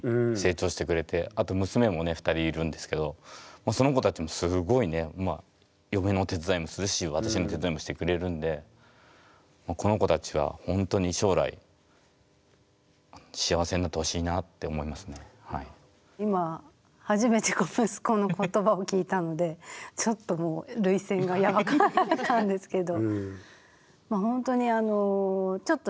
本当にその子たちもすごいね嫁のお手伝いもするし私の手伝いもしてくれるんでこの子たちは今初めて息子の言葉を聞いたのでちょっと涙腺がやばくなったんですけど。